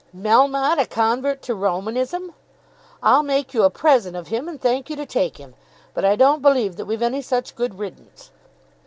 "Melmotte a convert to Romanism! I'll make you a present of him, and thank you to take him; but I don't believe that we've any such good riddance."